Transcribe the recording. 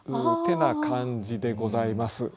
てな感じでございます。